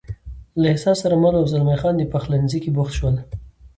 له احساس سره مل و، او زلمی خان په پخلنځي کې بوخت شول.